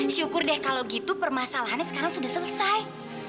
syukur deh kalau gitu permasalahannya sekarang sudah selesai